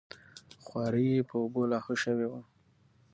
خواري یې په اوبو لاهو شوې وه.